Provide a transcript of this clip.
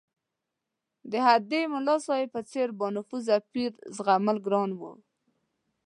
د هډې ملاصاحب په څېر بانفوذه پیر زغمل ګران وو.